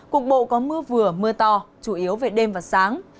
cục bộ có mưa vừa mưa to chủ yếu về đêm và sáng